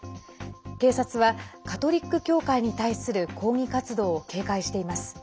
警察は、カトリック教会に対する抗議活動を警戒しています。